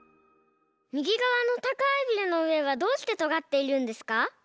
みぎがわのたかいビルのうえがどうしてとがっているんですか？